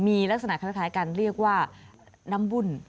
มีลักษณะคล้ายกันเรียกว่าน้ำวุ่น